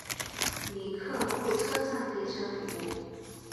尼克路车站列车服务。